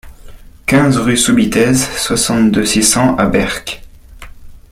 quinze rue Soubitez, soixante-deux, six cents à Berck